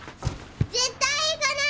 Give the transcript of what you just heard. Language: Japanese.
絶対行かない！